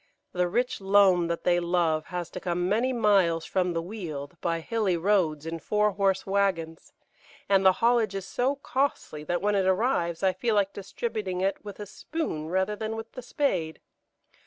The rich loam that they love has to come many miles from the Weald by hilly roads in four horse waggons, and the haulage is so costly that when it arrives I feel like distributing it with a spoon rather than with the spade.